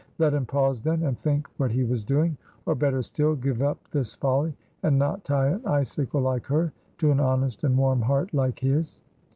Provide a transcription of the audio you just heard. Let him pause then, and think what he was doing, or, better still, give up this folly, and not tie an icicle like her to an honest and warm heart like his.